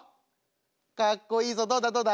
かっこいいぞどうだどうだ？